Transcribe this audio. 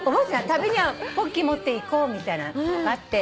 旅にはポッキー持っていこうみたいなのがあって。